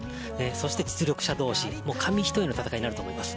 そして実力者同士紙一重の戦いになります。